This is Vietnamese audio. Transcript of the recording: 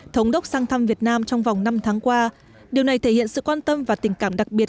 thống đốc sang thăm việt nam trong vòng năm tháng qua điều này thể hiện sự quan tâm và tình cảm đặc biệt